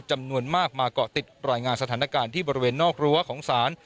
จำนวนมากมาเกาะติดรายงานสถานการณ์ที่บริเวณนอกรั้วของศาล